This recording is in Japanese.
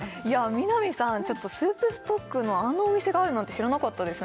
南さんスープストックのあんなお店があるなんて知らなかったですね